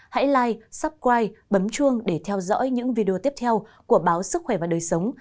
hãy like subscribe bấm chuông để theo dõi những video tiếp theo của báo sức khỏe và đời sống